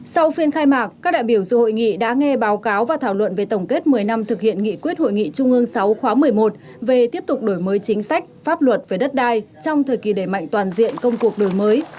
sau phiên khai mạc các đại biểu dự hội nghị đã nghe báo cáo và thảo luận về tổng kết một mươi năm thực hiện nghị quyết hội nghị trung ương sáu khóa một mươi một về tiếp tục đổi mới chính sách pháp luật về đất đai trong thời kỳ đề mạnh toàn diện công cuộc đổi mới